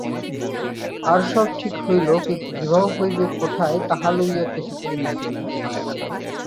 আর সব ঠিক হইল কিন্তু বিবাহ হইবে কোথায় তাহা লইয়া কিছুতেই নিষ্পত্তি হয় না।